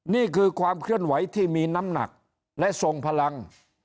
นี่คือความเคลื่อนไหวที่มีน้ำหนักและทรงพลัง